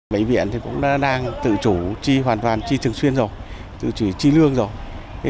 bệnh viện thì cũng đang tự chủ chi hoàn toàn chi thường xuyên rồi tự chủ chi lương rồi thế